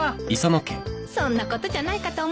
そんなことじゃないかと思ってたわ。